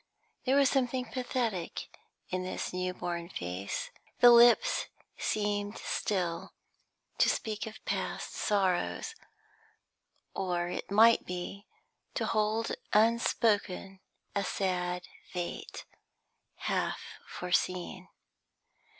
There was something pathetic in this new born face; the lips seemed still to speak of past sorrows, or, it might be, to hold unspoken a sad fate half foreseen.